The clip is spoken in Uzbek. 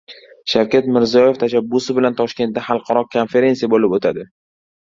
Shavkat Mirziyoev tashabbusi bilan Toshkentda xalqaro konferentsiya bo‘lib o‘tadi